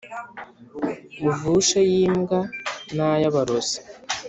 Uvushe ay`imbwa n`ay`abarozi